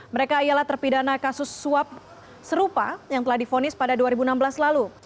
mereka ialah terpidana kasus suap serupa yang telah difonis pada dua ribu enam belas lalu